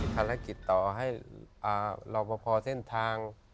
ธนาคิตต่อให้รอพอเส้นทาง